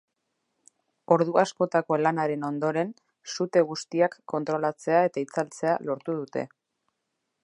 Ordu askotako lanaren ondoren, sute guztiak kontrolatzea eta itzaltzea lortu dute.